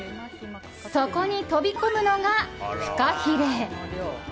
そこに飛び込むのがフカヒレ。